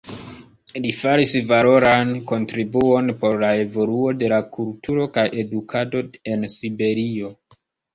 Li faris valoran kontribuon por la evoluo de la kulturo kaj edukado en Siberio.